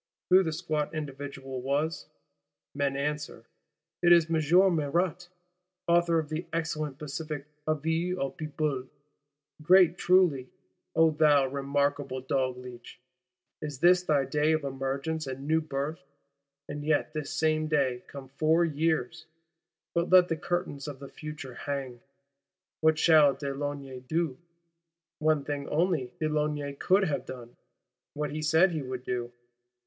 Who the squat individual was? Men answer, it is M. Marat, author of the excellent pacific Avis au Peuple! Great truly, O thou remarkable Dogleech, is this thy day of emergence and new birth: and yet this same day come four years—!—But let the curtains of the future hang. What shall de Launay do? One thing only de Launay could have done: what he said he would do.